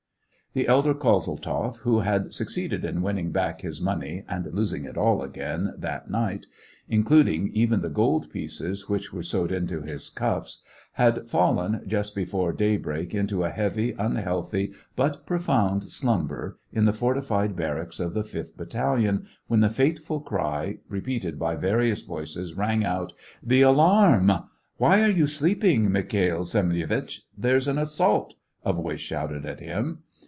The elder Kozeltzoff, who had succeeded in win ning back his money and losing it all again that night, including even the gold pieces which were sewed into his cuffs, had fallen, just before day break, into a heavy, unhealthy, but profound slum ber, in the fortified barracks of the fifth battalion, when the fateful cry, repeated by various voices, rang out :— The alarm!" " Why are you sleeping, Mikha'fl Semyonitch ! There's an assault !" a voice shouted to him.